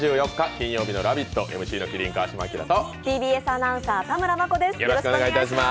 金曜日の「ラヴィット！」、ＭＣの麒麟・川島明とＴＢＳアナウンサー、田村真子です。